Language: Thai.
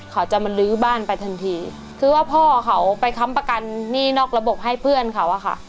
เขาจะมาลื้อบ้านไปทันทีคือว่าพ่อเขาไปค้ำประกันหนี้นอกระบบให้เพื่อนเขาอะค่ะ